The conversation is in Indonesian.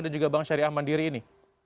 dan juga bank syariah mandiri ini